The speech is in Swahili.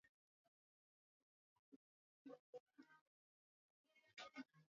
mawaziri watakaoteuliwa watakuwa ni watumishi wa watu